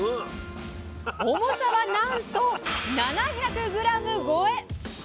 重さはなんと７００ｇ超え！